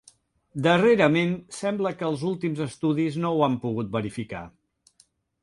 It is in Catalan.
Darrerament sembla que els últims estudis no ho han pogut verificar.